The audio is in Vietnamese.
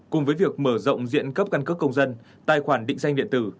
cùng với việc mở rộng diện cấp căn cước công dân tài khoản định danh điện tử